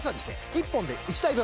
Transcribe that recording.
１本で１台分。